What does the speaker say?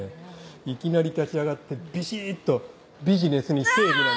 いきなり立ち上がってビシっと「ビジネスに正義なんて」。